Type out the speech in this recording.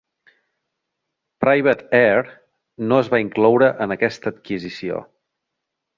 "Private Air" no es va incloure en aquesta adquisició.